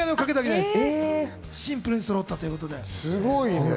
シンプルにそろったということで。